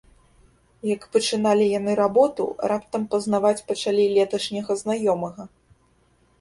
Як пачыналі яны работу, раптам пазнаваць пачалі леташняга знаёмага.